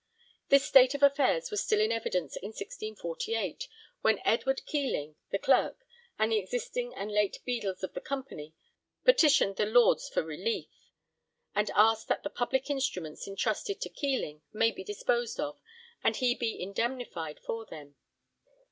This state of affairs was still in evidence in 1648, when Edward Keling, the Clerk, and the existing and late Beadles of the Company, petitioned the Lords for relief, and asked 'that the public instruments entrusted to Keling may be disposed of and he be indemnified for them.'